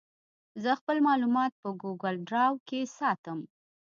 زه خپل معلومات په ګوګل ډرایو ساتم.